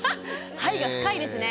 「はい」が深いですね。